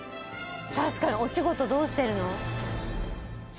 確かにお仕事どうしてるの？